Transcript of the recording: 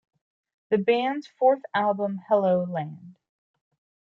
The band's fourth album Hello Land!